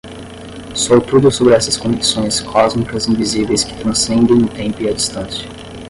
Sou tudo sobre essas conexões cósmicas invisíveis que transcendem o tempo e a distância.